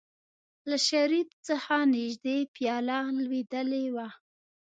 له شريف څخه نژدې پياله لوېدلې وه.